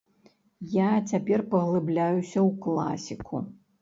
Я цяпер паглыбляюся ў класіку.